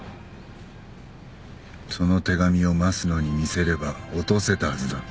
その手紙を益野に見せれば落とせたはずだ。